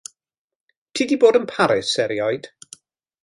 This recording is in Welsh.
Ti 'di bod yn Paris erioed?